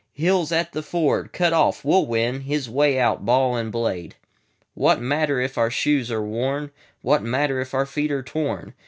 Hill 's at the ford, cut off; we 'll winHis way out, ball and blade. What matter if our shoes are worn? What matter if our feet are torn?